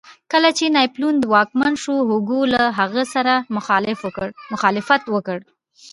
کله چې ناپلیون واکمن شو هوګو له هغه سره مخالفت وکړ.